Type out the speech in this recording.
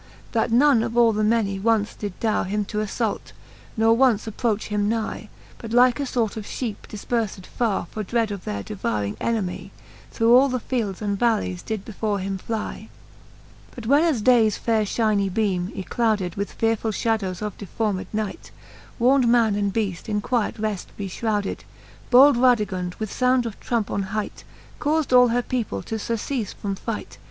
That none of all the many once did darre Him to alTault, nor once approach him nie. But like a lort of fheepe difperfed farre For dread of their devouring enemie. Through all the fields and vallies did before him flie. XLV. But 64 ^he fifth Eooke of Canto IV. XLV. But when as dales faire fliinie beame, yclowded With fearfull fhadowes of deformed night, Warn'd man and beaft in quiet reft be Ihrowded, Bold Radigund with found of trumpe on hight, Caufd all her people to furceale from fight